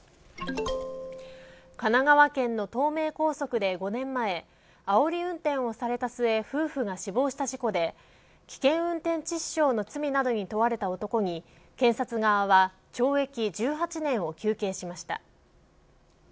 神奈川県の東名高速で５年前あおり運転をされた末夫婦が死亡した事故で危険運転致死傷などの罪に問われた男に検察側は懲役１８年を求刑しました。